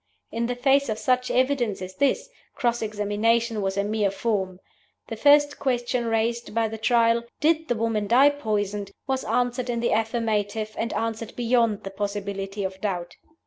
In the face of such evidence as this, cross examination was a mere form. The first Question raised by the Trial Did the Woman Die Poisoned? was answered in the affirmative, and answered beyond the possibility of doubt.